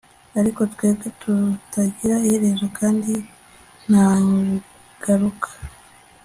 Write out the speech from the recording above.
ariko twebwe, tutagira iherezo kandi nta garuka